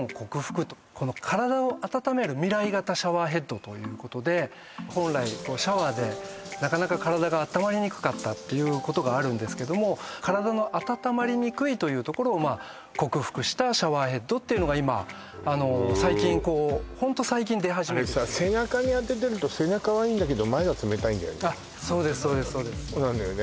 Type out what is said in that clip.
はいということで本来シャワーでなかなか体があったまりにくかったっていうことがあるんですけども体の温まりにくいというところをまあ克服したシャワーヘッドっていうのが今あの最近こうホント最近出始めて背中に当ててると背中はいいんだけど前が冷たいんだよねあっそうですそうですそうなのよね